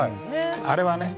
あれはね